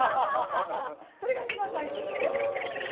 それが一番大事ですね。